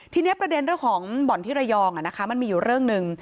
ทีนี้ประเด็นเรื่องของบ่อนที่ระยองมันมีอยู่เรื่องหนึ่ง